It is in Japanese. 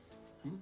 ん？